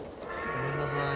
ごめんなさい。